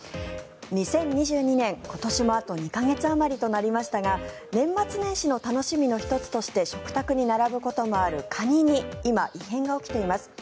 ２０２２年今年もあと２か月あまりとなりましたが年末年始の楽しみの１つとして食卓に並ぶこともあるカニに今、異変が起きています。